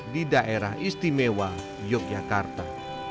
di daerah istimewa yogyakarta